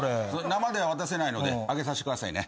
生では渡せないので揚げさせてくださいね。